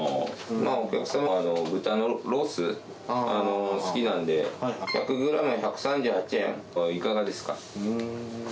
お客様も豚のロース、好きなんで、１００グラム１３８円でいかがですか？